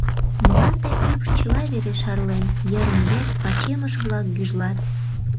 Мланде ӱпш чыла вере шарлен, йырым-йыр пачемыш-влак гӱжлат.